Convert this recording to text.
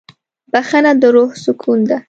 بښنه د روح سکون ده.